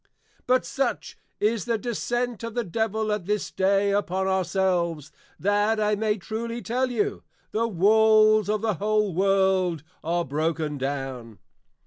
_ But such is the descent of the Devil at this day upon our selves, that I may truly tell you, _The Walls of the whole World are broken down!